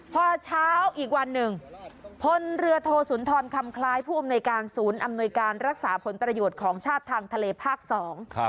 พอเช้าอีกวันหนึ่งพลเรือโทสุนทรคำคล้ายผู้อำนวยการศูนย์อำนวยการรักษาผลประโยชน์ของชาติทางทะเลภาคสอง